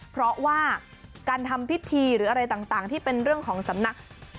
เพราะว่าการทำพิธีหรืออะไรต่างที่เป็นเรื่องของสำนัก